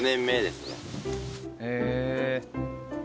へえ。